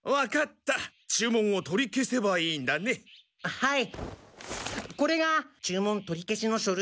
はい！